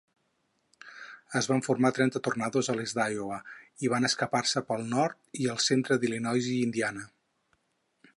Es van formar trenta tornados a l'est d'Iowa i van escampar-se pel nord i el centre d'Illinois i Indiana.